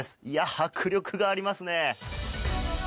迫力がありますね！